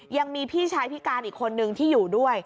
ยังมีพี่ชายพิการอีกคนนึงที่อยู่ด้วย